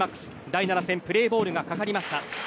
第７戦プレーボールがかかりました。